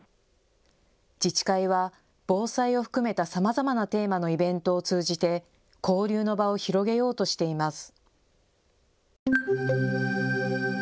自治会は防災を含めたさまざまなテーマのイベントを通じて交流の場を広げようとしています。